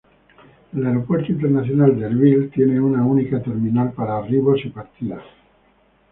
El Aeropuerto Internacional de Erbil tiene una única terminal para arribos y partidas.